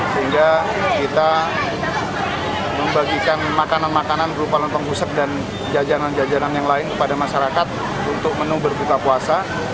sehingga kita membagikan makanan makanan berupa lontong pusak dan jajanan jajanan yang lain kepada masyarakat untuk menu berbuka puasa